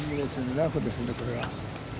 ラフですね、これは。